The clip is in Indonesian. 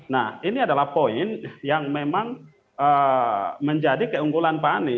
nah ini adalah poin yang memang menjadi keunggulan